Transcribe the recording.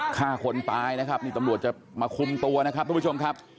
ฆ่าคนตายนะครับนี่ตำรวจจะมาคุมตัวนะครับทุกผู้ชมครับ